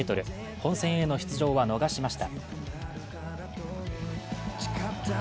本戦への出場は逃しました。